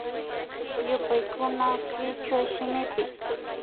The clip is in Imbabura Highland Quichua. Yupaykuna kichwa shimipi